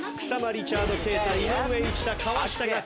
リチャード敬太井上一太河下楽。